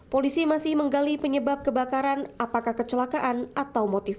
polisi masih menggali penyebab kebakaran apakah kecelakaan atau motif